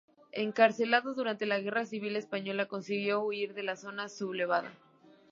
Encarcelado durante la Guerra Civil española, consiguió huir a la zona sublevada.